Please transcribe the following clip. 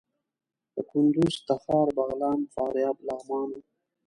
د کندوز، تخار، بغلان، فاریاب، لغمان وو.